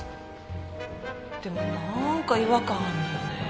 でもなんか違和感あるのよねぇ。